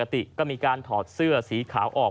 ติก็มีการถอดเสื้อสีขาวออก